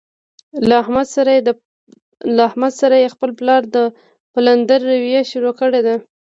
له احمد سره یې خپل پلار د پلندر رویه شروع کړې ده.